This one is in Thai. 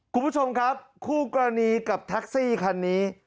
คุณผู้ชมครับคู่กรณีกับแท็กซี่คันนี้